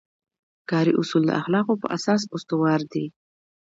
کاري اصول د اخلاقو په اساس استوار دي.